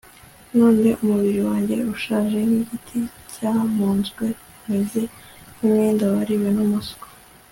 none umubiri wanjye ushaje nk'igiti cyamunzwe, umeze nk'umwenda wariwe n'umuswa